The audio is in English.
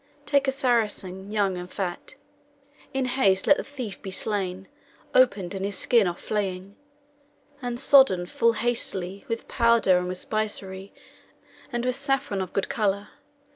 Take a Saracen, young and fat; In haste let the thief be slain, Opened, and his skin off flayn; And sodden full hastily, With powder and with spicery, And with saffron of good colour.